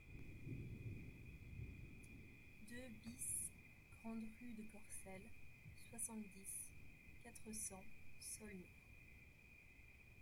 deux BIS grande Rue de Corcelles, soixante-dix, quatre cents, Saulnot